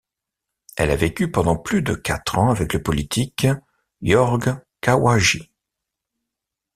Elle a vécu pendant plus de quatre ans avec le politique Jorge Kahwagi.